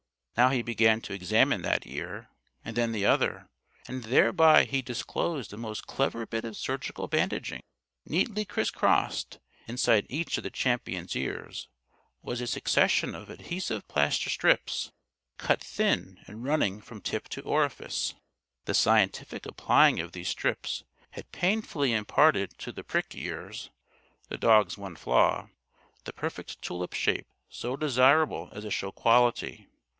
Now he began to examine that ear, and then the other, and thereby he disclosed a most clever bit of surgical bandaging. Neatly crisscrossed, inside each of the Champion's ears, was a succession of adhesive plaster strips cut thin and running from tip to orifice. The scientific applying of these strips had painfully imparted to the prick ears (the dog's one flaw) the perfect tulip shape so desirable as a show quality.